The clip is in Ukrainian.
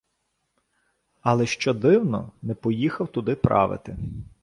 Але що дивно – не поїхав туди «правити»